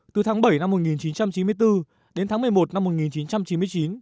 từ tháng bảy năm một nghìn chín trăm chín mươi bốn đến tháng một mươi một năm một nghìn chín trăm chín mươi chín